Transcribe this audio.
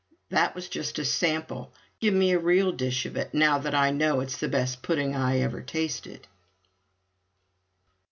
("That was just a sample. Give me a real dish of it, now that I know it's the best pudding I ever tasted!")